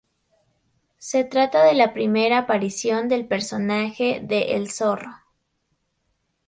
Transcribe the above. Se trata de la primera aparición del personaje de El Zorro.